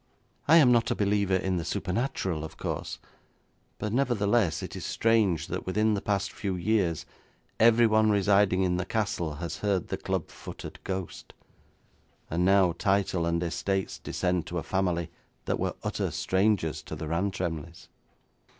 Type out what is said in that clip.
I am not a believer in the supernatural, of course, but nevertheless it is strange that within the past few years everyone residing in the castle has heard the club footed ghost, and now title and estates descend to a family that were utter strangers to the Rantremlys.'